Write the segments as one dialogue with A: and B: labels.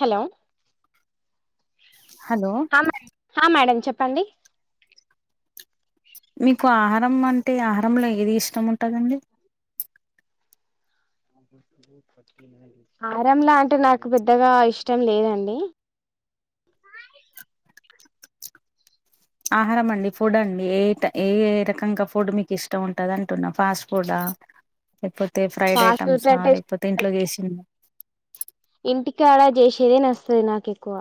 A: hello
B: hello
A: హా madam చెప్పండి
B: మీకు ఆహారం అంటే ఆహారంలో ఏది ఇష్టం ఉంటదండి
A: ఆహారంలా అంటే నాకు పెద్దగా ఇష్టం లేదండి
B: ఆహారం అండి ఫుడ్ అండి ఏ ఏ ఏ రకంగా ఫుడ్ మీకు ఇష్టం ఉంటది అంటున్నా ఫాస్ట్ ఫుడ్ ఆ లేకపోతే ఫ్రైడ్
A: ఫాస్ట్ ఫుడ్
B: ఐటమ్స్ఆ
A: అంటే
B: లేకపోతే ఇంట్లో చేసి
A: ఇంటికి అడా చేసేదే నస్తది నాకెక్కువ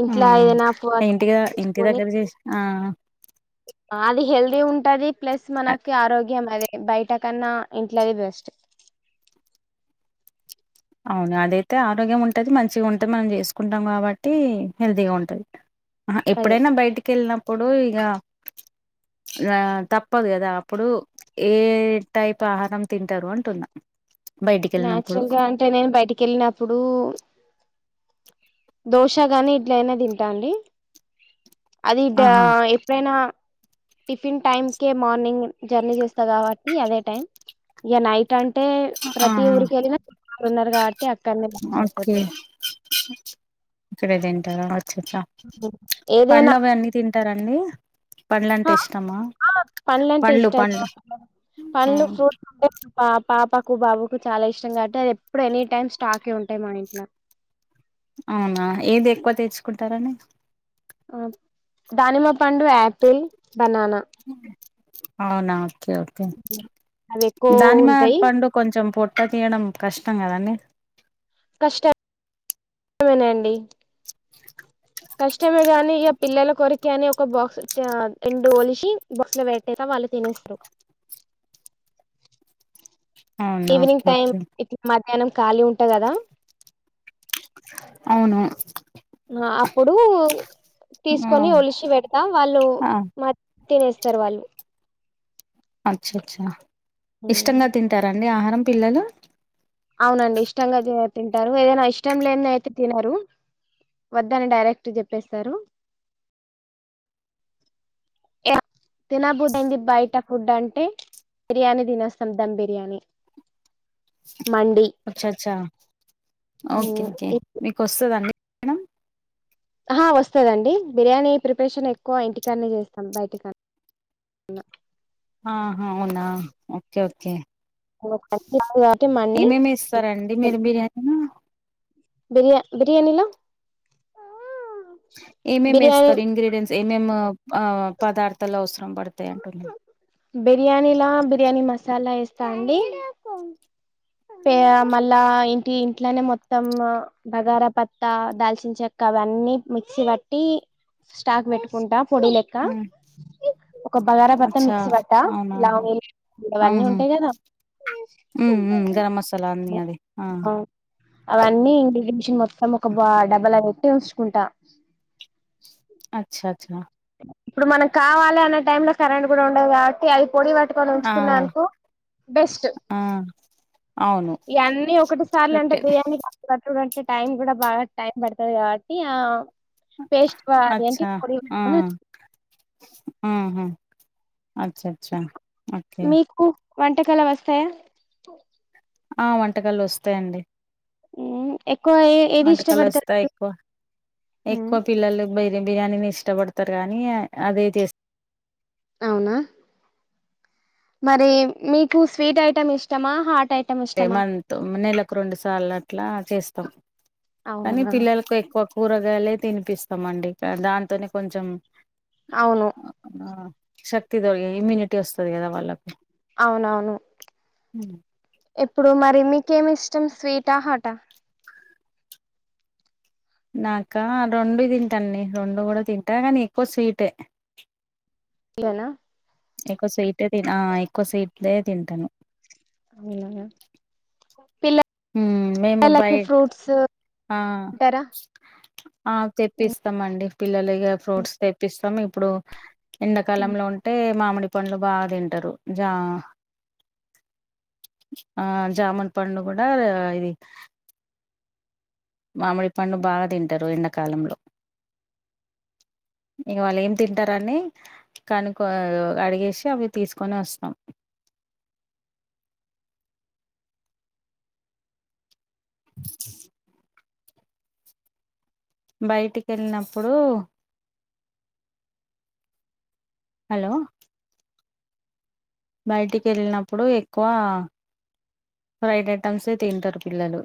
A: ఇంట్ల ఏదైనా వర్క్
B: ఇంటిగా ఇంటి
A: చేసుకొని
B: దగ్గర చేసి ఆ
A: అది హెల్త్ ఉంటది ప్లస్
B: అ-
A: మనకి ఆరోగ్యం అదే బయట కన్నా ఇంట్లదే బెస్ట్
B: అవును అదైతే ఆరోగ్యం ఉంటుంది మంచిగా ఉంటుంది మనం చేసుకుంటాం కాబట్టి హెల్తీగా ఉంటది ఆ
A: అదే
B: ఎప్పుడైనా బయటికి వెళ్ళినప్పుడు ఇక ఆ తప్పదు కదా అప్పుడు ఏ టైప్ ఆహారం తింటారు అంటున్న
A: నాచురల్ గా అంటే నేను బయటికి వెళ్ళినప్పుడు దోశగాని ఇడ్లీయినా తింటాండి అది ఇ
B: ఆహా
A: ఎప్పుడైనా టిఫిన్ టైమ్ కే మార్నింగ్ జర్నీ చేస్తా కాబట్టి అదే టైం ఇక నైట్ అంటే అంటే
B: ఆహా
A: ప్రతి ఊరికెళ్ళిన ఉన్నారు కాబట్టి అక్కడ
B: ఓకే
A: మంచియిపోతది
B: ఇక్కడే తింటారా అచ్చ అచ్చ
A: ఏదైనా
B: పండ్లు అవన్నీ తింటారాండి
A: ఆ పండ్లు అంటే ఇష్టమా
B: ఆ
A: పండ్లు ఫ్రూట్ అంటే పా పాపకు బాబుకు చాలా ఇష్టం కాబట్టి అది ఎప్పుడు ఎనీ టైమ్ స్టాకే ఉంటాయి మన ఇంట్లో
B: అవునా ఏది ఎక్కువ తెచ్చుకుంటారండి
A: దానిమ్మ పండు ఆపిల్ బనానా
B: అవునా ఓకే ఓకే
A: అవి ఎక్కువ
B: దానిమ్మ
A: ఉంటాయి
B: పండు కొంచెం పోట్ పొట్టు తీయడం కష్టం కదండీ
A: కష్టం కష్టమేనండి కష్టమే కాని ఇక పిల్లల కొరికగాని ఒక బాక్స్ రెండు ఒలిసి బాక్స్ లో పెట్టిన తినేస్తారు
B: అవునా
A: ఈవినింగ్
B: ఓకే
A: టైం
B: ఓకే
A: ఇట్లా మధ్యాహ్నం ఖాళీ ఉంటా కదా
B: అవును
A: ఆ అప్పుడు
B: ఆ
A: తీసుకొని ఒలిసి పెడత వాళ్ళు
B: ఆ
A: మ తినేస్తారు వాళ్ళు
B: అచ్చ అచ్చా ఇష్టంగా తింటారాండి ఆహారం పిల్లలు
A: అవునండి ఇష్టంగా తింటారు ఏదైనా ఇష్టం లేనిదయితే తినరు వద్దని డైరెక్ట్ చెప్పేస్తారు తినబుద్ది అయింది బయట ఫుడ్ అంటే బిర్యానీ తినేస్తాం ధమ్ బిర్యానీ
B: స
A: మండి
B: అచ్చా అచ్చా ఓకే ఓకే మీకొస్తద అండి ఏం అయిన
A: ఆహా వస్తదండి బిర్యానీ ప్రిపరేషన్ ఎక్కువ ఇంటికన్నే చేస్తాం బయటి కాన్న అలా
B: ఆహా అవునా ఓకే ఓకే
A: కాబట్టి మండి
B: ఏమేమి ఎస్తారండి మీరు బిర్యానీ లా
A: బియా బిర్యానీలా
B: ఏమేమి వేస్తారు ఇంగ్రీడియంట్స్ ఏమేమి ఆ పదార్థాలు అవస రం పడుతయండి
A: బిర్యానీలా బిర్యానీ మసాలా వేస్తా అండి మళ్ళా ఇంటి ఇంట్లనే మొత్తం బగారాపత్తా దాల్చిన చెక్కవ ఇవన్నీ మిక్సీ వట్టి స్టాక్ పెట్టుకుంటా పొడి లెక్క
B: హ్మ్
A: ఒక బగారాపత్త
B: అచ్చా
A: మిక్సీ వట్ట
B: అవునా
A: లా
B: ఆహా
A: అవన్నీ ఉంటాయి కదా
B: హ్మ్ గరం మసాలా అన్నీ అది
A: ఆ అవన్నీ ఇంగ్రేదియన్స్ మొత్తం ఒక బా డబ్బల పెట్టి ఉంచుకుంటా
B: అచ్చ అచ్చ
A: ఇప్పుడు మనం కావాలి అనే టైం ల కరెంట్ కూడా ఉండదు కాబట్టి అయి పోడి వట్టుకోని
B: ఆ
A: ఉంచుకున్నా అనుకో బెస్ట్
B: ఆ అవును
A: ఇయన్నీ ఒకటి సార్లు అంటే
B: కరెక్టే
A: బిర్యానీ అప్పుడు పట్టుడంటే టైమ్ కూడా బాగా టైం పడుతది కాబట్టి ఆ పేస్ట్ అదేంటి
B: అచ్చా
A: పొడి
B: ఆ
A: పన్నీర్
B: ఆహా అచ్చ చ్చా ఓకే
A: మీకు వంటకాలు వస్తాయా
B: ఆ వంటకాలు వస్తాయండి
A: ఉ
B: వంటకాలు వస్తాయి ఎక్కువ
A: మీరు మ్మ్
B: ఎక్కువ పిల్లలు బయ బిర్యానీని ఇష్టపడతారు కానీ అదే చేస్త
A: అవునా మరి మీకు స్వీట్ ఐటెమ్ ఇష్టమా హార్ట్ ఐ
B: టె మంత్ నెలకు రెండు సార్లు అట్లా చేస్తాం కానీ
A: అవునా
B: పిల్లలకు ఎక్కువ కూరగాయలే తినిపిస్తామండి ఇక దాంతోనే కొంచెం
A: అవును
B: ఆ శక్తి దో ఇమ్యూనిటీ వస్తది కదా వాళ్ళకు
A: అవునవును ఇప్పుడు మరి మీకేం ఇష్టం స్వీటా హట
B: నాకా రెండు తింటాండి రెండు కూడా తింటా కానీ ఎక్కువ స్వీటే
A: ఇళ్లనా
B: ఎక్కువ స్వీటే తిన ఆ ఎక్కువ స్వీట్లే తింటను
A: పిల్ల
B: హ్మ్ మేము బయ
A: లకి ఫ్రూట్స్
B: ఆ
A: తింటారా
B: ఆ తెప్పిస్తామండి పిల్లలిగా ఫ్రూట్స్ తెప్పిస్తాం ఇప్పుడు ఎండాకాలంలో ఉంటే మామిడి పండ్లు బాగా తింటారు జా ఆ జామున్ పండు కూడా రా ఇది మామిడి పండు బాగా తింటారు ఎండాకాలంలో ఇగ వాళ్ళు ఏం తింటారని కనుకో అడిగేసి అవి తీసుకొని వస్తం బయటికి వెళ్ళినప్పుడు హలో బయటికి వెళ్ళినప్పుడు ఎక్కువ ఐటమ్సే తింటరు పిల్లలు